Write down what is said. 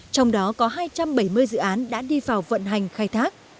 trong đó có hai trăm bảy mươi dự án đã đi vào vận hành khai thác